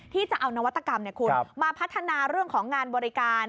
ที่จะเอานวัตกรรมมาพัฒนาเรื่องของงานบริการ